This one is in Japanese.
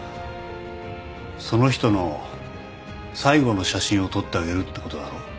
その人の最後の写真を撮ってあげるってことだろ？